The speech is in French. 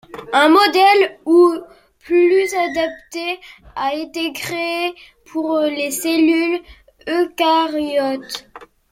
Un modèle ' ou ' plus adapté a été créé pour les cellules eucaryotes.